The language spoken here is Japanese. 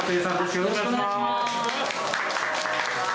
よろしくお願いします。